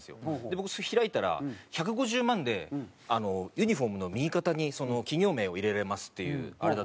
僕それ開いたら１５０万でユニホームの右肩に企業名を入れられますっていうあれだったんですよ。